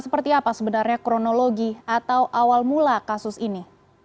seperti apa sebenarnya kronologi atau awal mula kasus ini